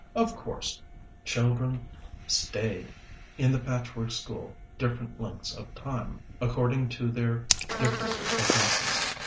] Of course, children staid in the Patchwork School different lengths of time, according to their different offenses.